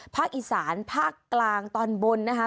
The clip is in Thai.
ภาคอีสานภาคกลางตอนบนนะคะ